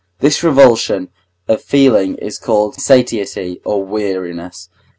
This revulsion of feeling is called satiety or weariness.